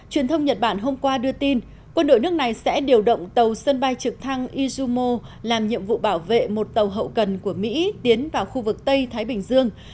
truyền thông nhật bản hôm qua đưa tin quân đội nước này sẽ điều động tàu sân bay trực thăng izumo làm nhiệm vụ bảo vệ một tàu hậu cần của mỹ tiến vào khu vực tây thái bình dương